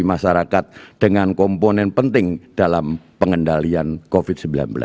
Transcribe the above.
masyarakat dengan komponen penting dalam pengendalian covid sembilan belas